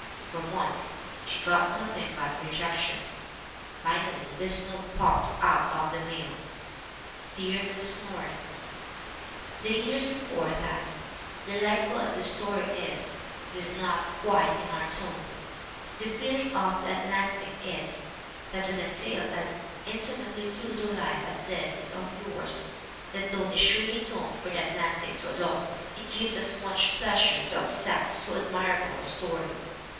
For months she got nothing but rejections. Finally this note popped out of the mail : "Dear Mrs. Norris: "The readers report that, delightful as this story is, it is 'not quite in our tone/ The feeling of the At lantic is, that when a tale is as intimately true to life as this is of yours, the tone is surely a tone for the Atlantic to adopt. "It gives us much pleasure to accept so admirable a story.